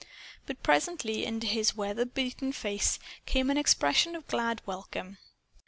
But presently into his weather beaten face came an expression of glad welcome.